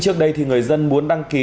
trước đây thì người dân muốn đăng ký